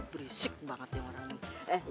berisik banget ya orang ini